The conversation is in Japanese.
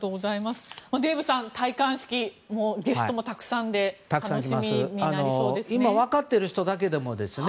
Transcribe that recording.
デーブさん、戴冠式ゲストもたくさんで楽しみになりそうですね。